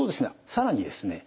更にですね